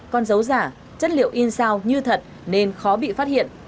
con dấu giả chất liệu in sao như thật nên khó bị phát hiện